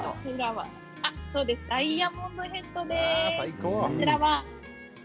ダイヤモンドヘッドです。